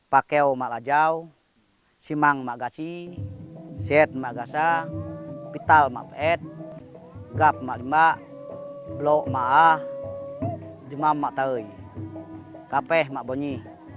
pakeo mak lajau simang mak gasi zed mak gasa pital mak pet gap mak limak blok mak ah dimam mak tahui kapeh mak bonyi